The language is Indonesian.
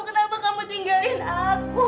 kenapa kamu tinggalin aku